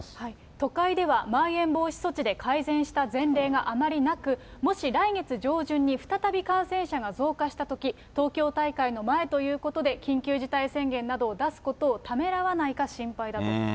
都会では、まん延防止措置で改善した前例があまりなく、もし来月上旬に再び感染者が増加したとき、東京大会の前ということで、緊急事態宣言などを出すことをためらわないか心配だと。